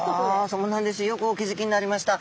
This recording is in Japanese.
よくお気付きになりました。